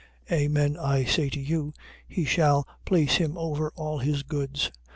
24:47. Amen I say to you: he shall place him over all his goods.